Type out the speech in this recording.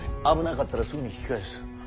危なかったらすぐに引き返す。